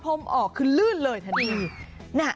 ก็ฝากเตือนกันเอาไว้ด้วยละกันเอาจริง